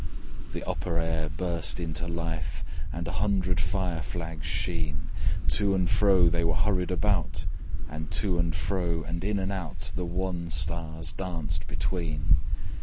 The upper air burst into life! And a hundred fire flags sheen, To and fro they were hurried about! And to and fro, and in and out, The wan stars danced between.